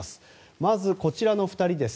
まず、こちらの２人です。